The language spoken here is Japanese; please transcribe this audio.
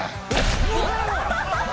うわ！